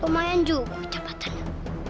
lumayan juga cepatannya